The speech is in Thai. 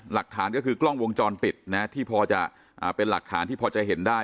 หลักฐานก็คือกล้องวงจรปิดนะที่พอจะเป็นหลักฐานที่พอจะเห็นได้